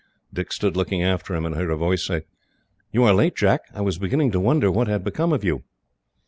Dick stood looking after him, and heard a voice say: "You are late, Jack. I was beginning to wonder what had become of you."